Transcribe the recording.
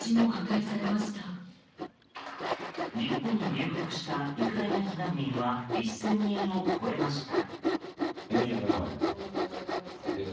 日本に入国したウクライナ避難民は１０００人を超えました。